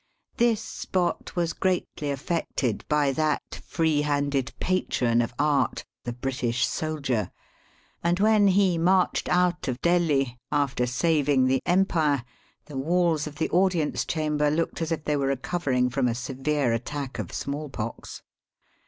This spot was greatly affected by that free handed patron of art, the British soldier, and when he marched out of Delhi, after saving the Digitized by VjOOQIC 300 EAST BY WEST^ empire, the walls of the audience chamber looked as if they were recoveriiig from a severe attack of smallpox.